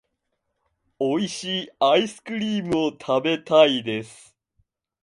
美味しいアイスクリームを食べたいです。